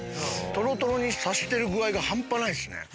とろとろにさしてる具合が半端ないっすね。